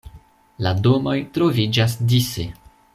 La domoj troviĝas dise.